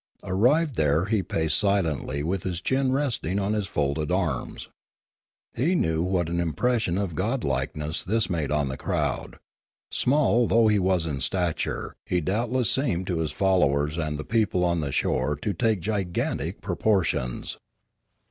Arrived there he paced silently with his chin resting on his folded arms. He knew what an impression of god likeness this made on the crowd. Small though he was in stature, he doubtless seemed to his followers and the people on the shore to take gigantic proportions.